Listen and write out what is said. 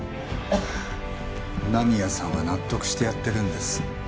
今宮さんは納得してやってるんです。